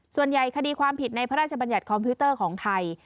คดีความผิดในพระราชบัญญัติคอมพิวเตอร์ของไทย